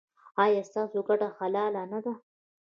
ایا ستاسو ګټه حلاله نه ده؟